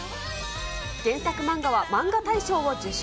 原作漫画はマンガ大賞を受賞。